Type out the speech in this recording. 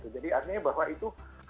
jadi artinya bahwa itu